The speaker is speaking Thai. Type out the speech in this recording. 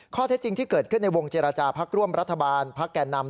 ข้อเท็จจริงที่เกิดขึ้นในวงเจรจาพักร่วมรัฐบาลพักแก่นำ